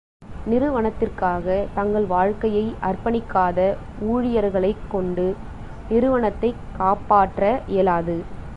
நிறுவனத்திற்காக தங்கள் வாழ்க்கையை அர்ப்பணிக்காத ஊழியர்களைக் கொண்டு நிறுவனத்தைக் காப்பாற்ற இயலாது.